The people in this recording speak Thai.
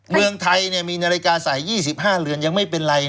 เมืองไทยมีนาฬิกาใส่๒๕เรือนยังไม่เป็นไร